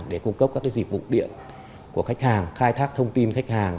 để cung cấp các dịch vụ điện của khách hàng khai thác thông tin khách hàng